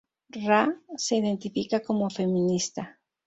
Ra se identifica como feminista.